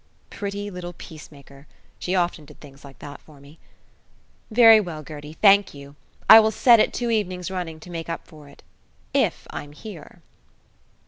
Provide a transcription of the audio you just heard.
Pretty little peacemaker! She often did things like that for me. "Very well, Gertie, thank you. I will set it two evenings running to make up for it if I'm here."